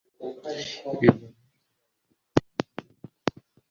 ibivomesho byabo birimo ubusa .